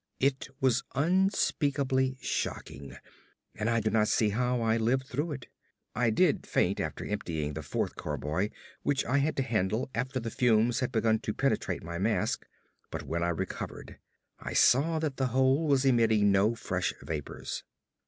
It was unspeakably shocking, and I do not see how I lived through it. I did faint after emptying the fourth carboy, which I had to handle after the fumes had begun to penetrate my mask; but when I recovered I saw that the hole was emitting no fresh vapors.